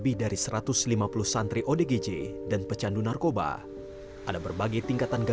bahkan berpandu keluarga manusia kalau disini ada biji bijinya itu erikah